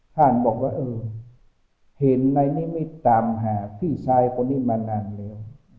ท่านบอกว่าเออเห็นนายนิมิตตามหาพี่ชายคนนี้มานานแล้ว